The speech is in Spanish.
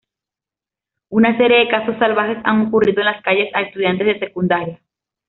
Una serie de casos salvajes han ocurrido en las calles a estudiantes de secundaria.